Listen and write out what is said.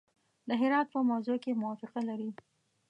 د هرات په موضوع کې موافقه لري.